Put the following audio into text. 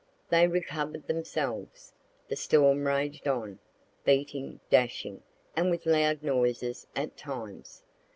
They recover'd themselves; the storm raged on, beating, dashing, and with loud noises at times.